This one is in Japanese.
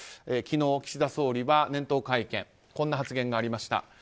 昨日、岸田総理は年頭会見こんな発言がありました。